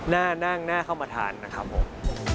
นั่งเข้ามาทานนะครับผม